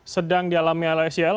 sedang di alami lasjl